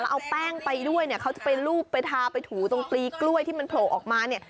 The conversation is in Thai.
แล้วเอาแป้งไปด้วยเขาจะไปรูปไปทาไปถูตรงตีกล้วยที่มันผลกออกมา